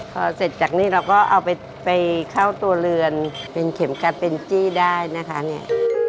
พอเสร็จจากนี้เราก็เอาไปเข้าตัวเรือนเป็นเข็มกัดเป็นจี้ได้นะคะเนี่ย